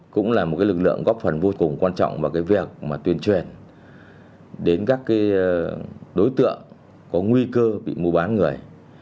cũng là một lực lượng góp phần vô cùng quan trọng vào cái việc tuyên truyền đến các đối tượng có nguy cơ bị mua bán người